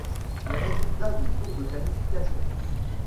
Les résultats du tour de qualification.